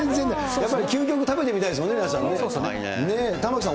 やっぱ究極、食べてみたいですもんね、玉城さん。